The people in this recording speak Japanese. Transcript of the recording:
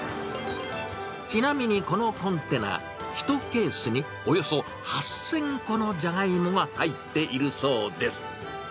ちなみに、このコンテナ、１ケースにおよそ８０００個のジャガイモが入っているそうです。